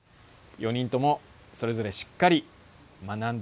４人ともそれぞれしっかり学んできてください。